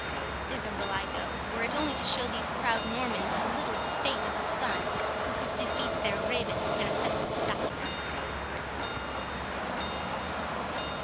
Thither will I go, were it only to show these proud Normans how little the fate of a son, who could defeat their bravest, can affect a Saxon."